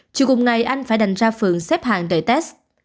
chiều cùng ngày anh phải đành ra phường xếp hàng đợi test